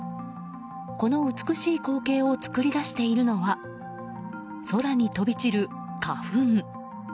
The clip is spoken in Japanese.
この美しい光景を作り出しているのが空に飛び散る花粉。